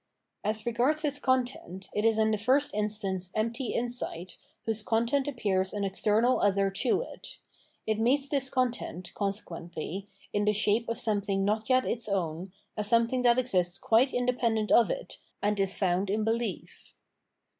As regards its content, it is in the first instance empty insight, whose content appears an external other to it. It meets this content, consequently, in the shape of something not yet its own, as some thing that exists quite independent of it, and is found in behef.